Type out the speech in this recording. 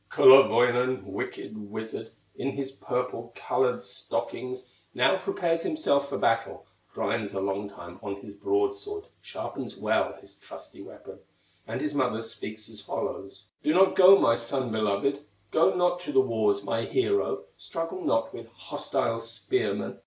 Kullerwoinen, wicked wizard, In his purple colored stockings, Now prepares himself for battle; Grinds a long time on his broadsword, Sharpens well his trusty weapon, And his mother speaks as follows: "Do not go, my son beloved, Go not to the wars, my hero, Struggle not with hostile spearsmen.